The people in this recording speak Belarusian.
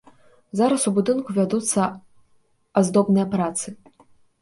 Зараз у будынку вядуцца аздобныя працы.